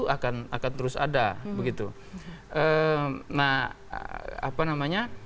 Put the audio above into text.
itu akan terus ada